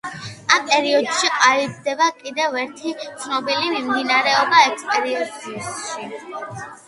ამ პერიოდში ყალიბდება კიდევ ერთი ცნობილი მიმდინარეობა ექსპრესიონიზმი.